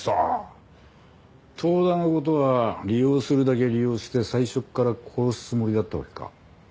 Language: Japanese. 遠田の事は利用するだけ利用して最初から殺すつもりだったわけか。